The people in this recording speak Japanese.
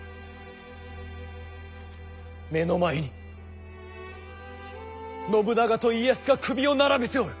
目の前に信長と家康が首を並べておる。